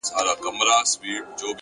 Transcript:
هره ورځ د نوې لاسته راوړنې امکان لري؛